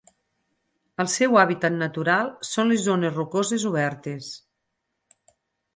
El seu hàbitat natural són les zones rocoses obertes.